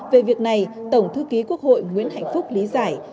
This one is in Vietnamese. về việc này tổng thư ký quốc hội nguyễn hạnh phúc lý giải